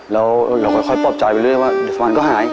แล้วเราก็ค่อยปอบจ่ายไปเรื่อยว่าเดี๋ยวสวรรค์ก็หาย